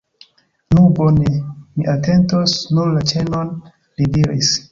Nu bone, mi atentos nur la ĉenon, li diris.